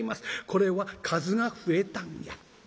これは数が増えたんや』。